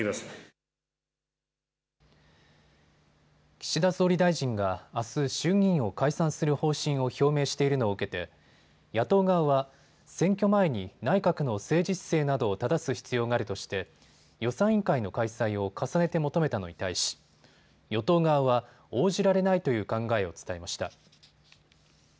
岸田総理大臣があす衆議院を解散する方針を表明しているのを受けて野党側は選挙前に内閣の政治姿勢などをただす必要があるとして予算委員会の開催を重ねて求めたのに対し与党側は応じられないという考えを伝えました。